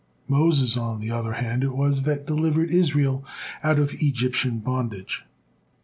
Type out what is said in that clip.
Moses, on the other hand, it was that delivered Israel out of Egyptian bondage.